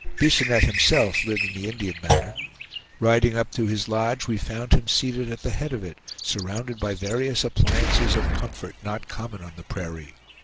Bisonette himself lived in the Indian manner. Riding up to his lodge, we found him seated at the head of it, surrounded by various appliances of comfort not common on the prairie.